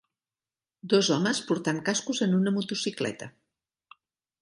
Dos homes portant cascos en una motocicleta.